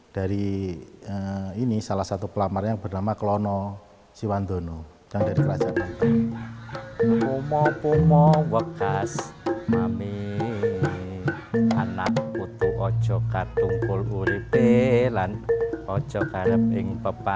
dari ini salah satu pelamar yang bernama klono swandono yang dari kerajaan